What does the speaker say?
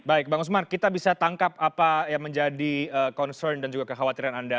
baik bang usmar kita bisa tangkap apa yang menjadi concern dan juga kekhawatiran anda